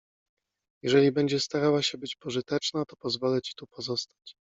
Jeżeli będziesz starała się być pożyteczna, to pozwolę ci tu pozostać.